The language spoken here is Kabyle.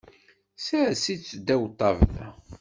Sers-itt ddaw ṭṭabla.